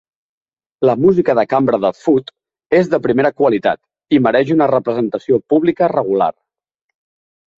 La música de cambra de Foote és de primera qualitat, i mereix una representació pública regular.